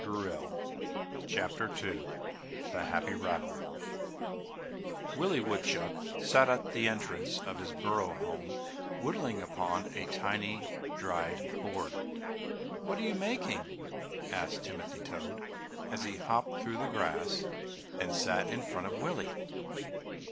THE HAPPY RATTLE Willie Woodchuck sat at the entrance of his burrow home whittling upon a tiny dried gourd. "What are you making?" asked Timothy Toad, as he hopped through the grass and sat in front of Willie.